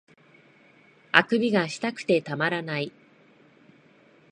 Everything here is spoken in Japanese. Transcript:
欠伸がしたくてたまらない